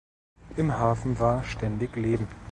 Im Hafen war ständig Leben.